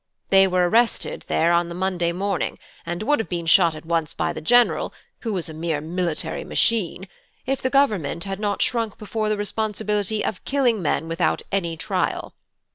They were arrested there on the Monday morning, and would have been shot at once by the general, who was a mere military machine, if the Government had not shrunk before the responsibility of killing men without any trial.